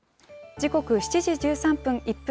時刻７時１３分。